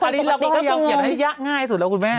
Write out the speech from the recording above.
อันนี้เราก็จะเอาเกี่ยวให้ยักษ์ง่ายสุดแล้วคุณแม่